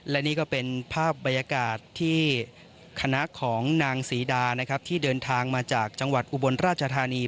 และนี่ก็เป็นภาพบรรยากาศที่คณะของนางศรีดานะครับที่เดินทางมาจากจังหวัดอุบลราชธานี